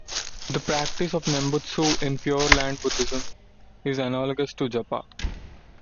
The practice of nembutsu in Pure Land Buddhism is analogous to japa.